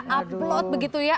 upload begitu ya